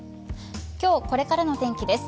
今日これからの天気です。